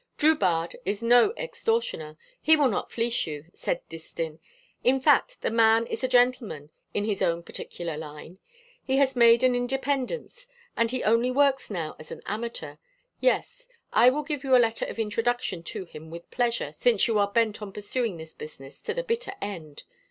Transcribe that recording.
"Drubarde is no extortioner. He will not fleece you," said Distin. "In fact the man is a gentleman, in his own particular line. He has made an independence, and he only works now as an amateur. Yes, I will give you a letter of introduction to him with pleasure, since you are bent on pursuing this business to the bitter end.